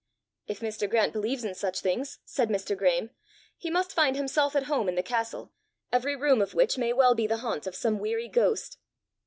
"If Mr. Grant believes in such things," said Mr. Graeme, "he must find himself at home in the castle, every room of which may well be the haunt of some weary ghost!"